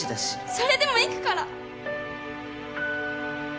それでも行くから！